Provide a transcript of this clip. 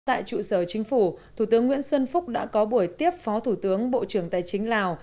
tại trụ sở chính phủ thủ tướng nguyễn xuân phúc đã có buổi tiếp phó thủ tướng bộ trưởng tài chính lào